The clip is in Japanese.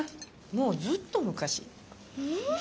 もうずっと昔。